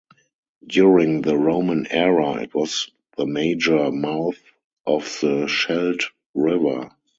During the Roman Era it was the major mouth of the Scheldt River.